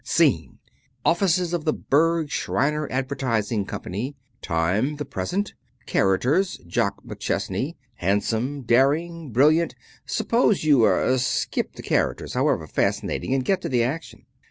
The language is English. "Scene: Offices of the Berg, Shriner Advertising Company. Time, the present. Characters: Jock McChesney, handsome, daring, brilliant " "Suppose you er skip the characters, however fascinating, and get to the action."